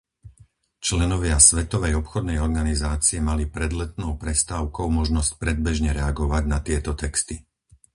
Členovia Svetovej obchodnej organizácie mali pred letnou prestávkou možnosť predbežne reagovať na tieto texty.